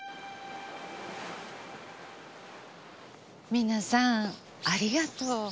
美奈さんありがとう。